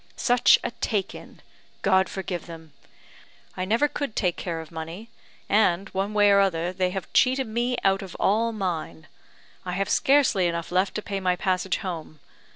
Such a take in! God forgive them! I never could take care of money; and, one way or other, they have cheated me out of all mine. I have scarcely enough left to pay my passage home.